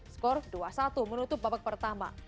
skor dua satu menutup babak pertama